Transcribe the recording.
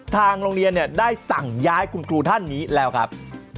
ทางโรงเรียนได้สั่งย้ายคุณครูท่านนี้แล้วครับ